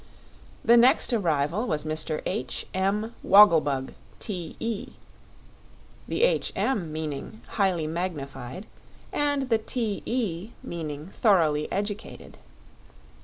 The next arrival was Mr. H. M. Woggle Bug, T.E.; the "H. M." meaning Highly Magnified and the "T.E." meaning Thoroughly Educated.